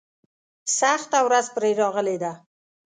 سخته ورځ پرې راغلې ده.